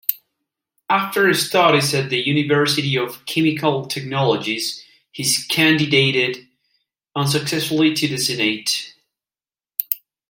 After studies at University of Chemical Technologies he candidated unsuccessfully to the Senate.